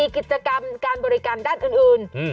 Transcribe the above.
กิจกรรมการบริการด้านอื่น